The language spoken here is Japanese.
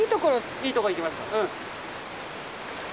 いいとこ行きました。